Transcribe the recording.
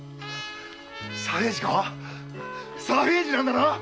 左平次か⁉左平次なんだな